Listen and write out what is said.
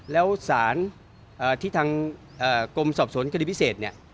แล้วสารที่ทางกรมสอบสวนคดีพิเศษเนี่ย